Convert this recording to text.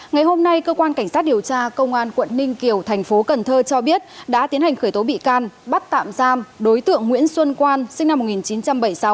ngày hôm nay cơ quan cảnh sát điều tra công an quận ninh kiều thành phố cần thơ cho biết đã tiến hành khởi tố bị can bắt tạm giam đối tượng nguyễn xuân quan sinh năm một nghìn chín trăm bảy mươi sáu